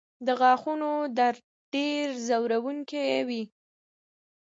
د غاښونو درد ډېر ځورونکی وي.